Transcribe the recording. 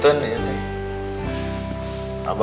tentu saja sia sia